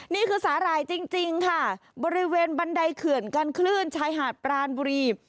นี่คือสาหร่ายจริงค่ะบริเวณบันไดเขื่อนกันคลื่นชายหาดปรานบุรี